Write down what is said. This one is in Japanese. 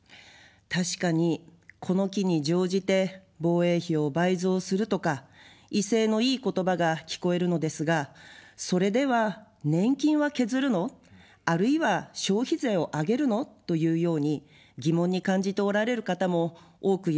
確かに、この機に乗じて防衛費を倍増するとか威勢のいい言葉が聞こえるのですが、それでは年金は削るの、あるいは消費税を上げるの、というように疑問に感じておられる方も多くいらっしゃると思います。